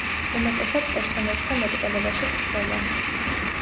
უმეტესად პერსონაჟთა მეტყველებაში გვხვდება.